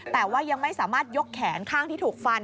แต่ว่ายังไม่สามารถยกแขนข้างที่ถูกฟัน